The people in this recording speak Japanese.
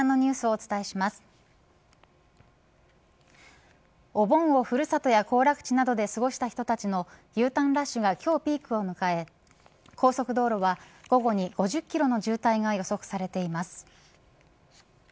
お盆を古里や行楽地などで過ごした人たちのＵターンラッシュが今日ピークを迎え高速道路は午後に５０キロの渋滞が予測されています。